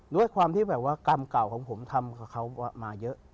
ด้วยความที่แบบว่ากรรมเก่าของผมทำกับเขามาเยอะ